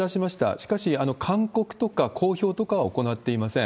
しかし勧告とか好評とかは行っていません。